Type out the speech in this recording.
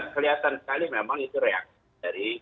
kelihatan sekali memang itu reaksi dari